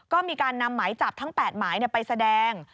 ก็มีการนำหมายจับทั้ง๘หมายไปแสดง